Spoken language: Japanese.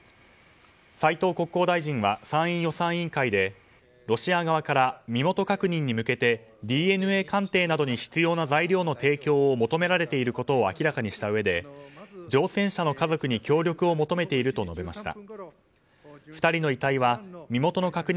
斉藤国交大臣は参院予算委員会でロシア側から身元確認に向けてＤＮＡ鑑定などに必要な材料の提供を求められていることを明らかにしたうえで乗船者の家族に協力を求めていると述べました。